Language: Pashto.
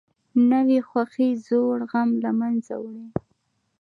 نوې خوښي زوړ غم له منځه وړي